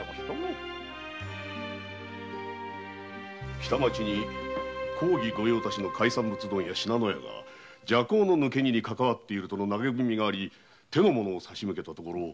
北町に公儀御用達の信濃屋が麝香の抜け荷にかかわっているとの投げ文があり手の者をさしむけたところ